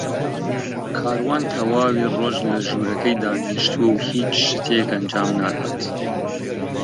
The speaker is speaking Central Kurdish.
کاروان تەواوی ڕۆژ لە ژوورەکەی دانیشتووە و هیچ شتێک ئەنجام نادات.